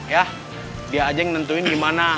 ya dia aja yang nentuin gimana